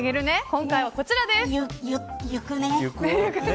今回はこちらです。